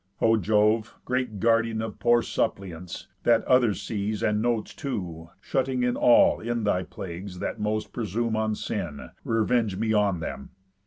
O Jove! Great Guardian of poor suppliants, That others sees, and notes too, shutting in All in thy plagues that most presume on sin, Revenge me on them.